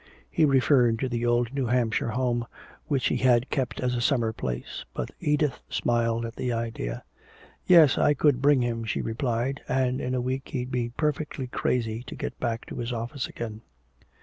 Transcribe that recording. He referred to the old New Hampshire home which he had kept as a summer place. But Edith smiled at the idea. "Yes, I could bring him," she replied, "and in a week he'd be perfectly crazy to get back to his office again."